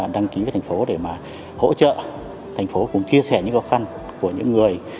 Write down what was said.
đăng ký với thành phố để mà hỗ trợ thành phố cùng chia sẻ những khó khăn của những người